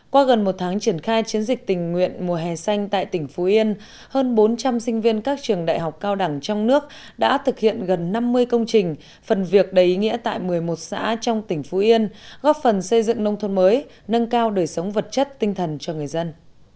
qua gần một tháng triển khai chiến dịch tình nguyện mùa hè xanh tại tỉnh phú yên hơn bốn trăm linh sinh viên các trường đại học cao đẳng trong nước đã thực hiện gần năm mươi công trình phần việc đầy ý nghĩa tại một mươi một xã trong tỉnh phú yên góp phần xây dựng nông thôn mới nâng cao đời sống vật chất tinh thần cho người dân